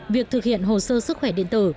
việc thực hiện hồ sơ sức khỏe điện tử